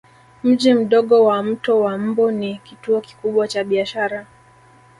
Mji mdogo wa Mto wa Mbu ni kituo kikubwa cha biashara